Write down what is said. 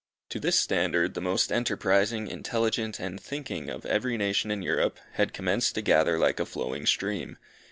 To this standard the most enterprising, intelligent, and thinking of every nation in Europe, had commenced to gather like a flowing stream.